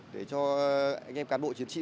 để cho anh em cán bộ chiến trí